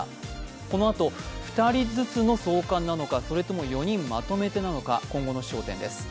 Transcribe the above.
このあと２人ずつの送還なのか４人なのか今後の焦点です。